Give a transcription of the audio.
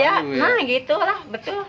nah gitu lah betul